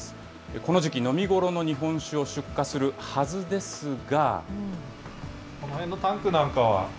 この時期、飲み頃の日本酒を出荷するはずですが。